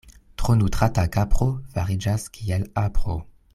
Tro nutrata kapro fariĝas kiel apro.